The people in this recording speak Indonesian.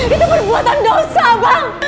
itu perbuatan dosa bang